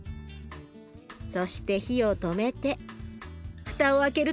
そして火を止めて蓋を開けると。